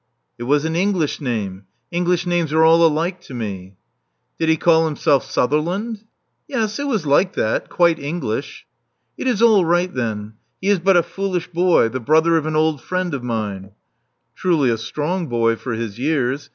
*'It was an English name. English names are all alike to me." Did he call himself Sutherland?" Yes, it was like that, quite English." "It is all right then. He is but a foolish boy, the brother of an old friend of mine." Truly a strong boy for his years.